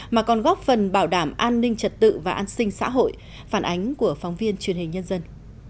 mà còn góp phần bảo đảm an ninh trật tự và an sinh xã hội phản ánh của phóng viên truyền hình nhân dân